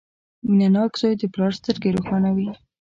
• مینهناک زوی د پلار سترګې روښانوي.